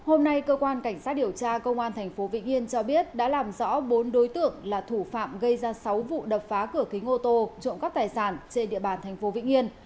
hôm nay cơ quan cảnh sát điều tra công an tp vĩnh yên cho biết đã làm rõ bốn đối tượng là thủ phạm gây ra sáu vụ đập phá cửa kính ô tô trộm cắp tài sản trên địa bàn tp vĩnh yên